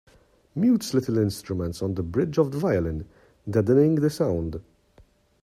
Mutes little instruments on the bridge of the violin, deadening the sound